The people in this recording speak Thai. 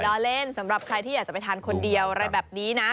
ล้อเล่นสำหรับใครที่อยากจะไปทานคนเดียวอะไรแบบนี้นะ